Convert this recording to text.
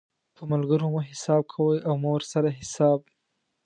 په ملګرو مه حساب کوئ او مه ورسره حساب